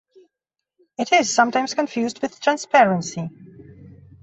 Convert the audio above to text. It is sometimes confused with transparency.